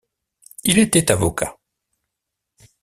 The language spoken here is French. Il était avocat.